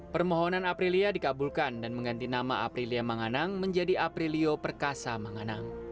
permohonan aprilia dikabulkan dan mengganti nama aprilia menganang menjadi aprilio perkasa menganang